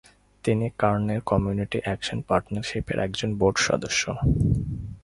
তিনি কার্নের community action পার্টনারশিপের একজন বোর্ড সদস্য।